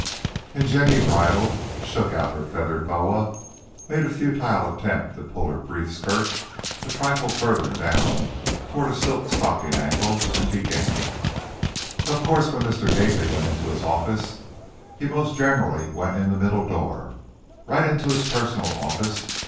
And Jenny bridled, shook out her feather boa, made a futile attempt to pull her brief skirt a trifle farther down toward a silk stockinged ankle, and began: "Of course, when Mr. Gately went into his office he most gen'ally went in the middle door, right into his pers'nal office.